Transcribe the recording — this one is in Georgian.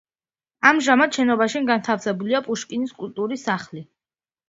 ამჟამად შენობაში განთავსებულია პუშკინის კულტურის სახლი.